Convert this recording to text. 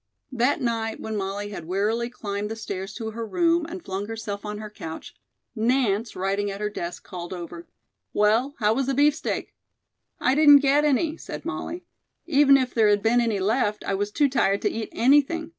That night, when Molly had wearily climbed the stairs to her room and flung herself on her couch, Nance, writing at her desk, called over: "Well, how was the beefsteak?" "I didn't get any," said Molly. "Even if there had been any left, I was too tired to eat anything.